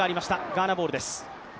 ガーナボールです。